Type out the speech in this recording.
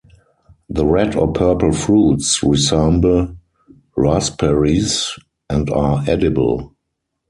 The red or purple fruits resemble raspberries and are edible.